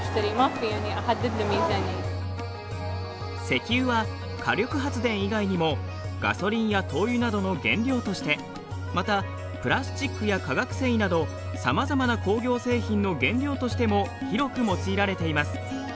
石油は火力発電以外にもガソリンや灯油などの原料としてまたプラスチックや化学繊維などさまざまな工業製品の原料としても広く用いられています。